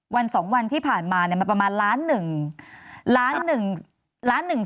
วัน๒วันที่ผ่านมาเนี่ยมันประมาณล้าน๑ล้านหนึ่ง